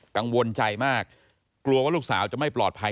กังวลใจมากกลัวว่าลูกสาวจะไม่ปลอดภัย